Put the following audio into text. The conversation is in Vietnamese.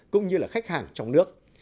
cũng như là khách hàng trong nước